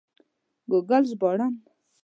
ګوګل ژباړن